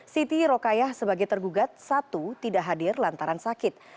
siti rokayah sebagai tergugat satu tidak hadir lantaran sakit